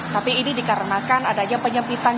tapi ini dikarenakan adanya penyempitan